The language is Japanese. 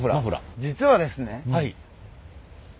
実はですね